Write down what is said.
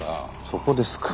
そこですか。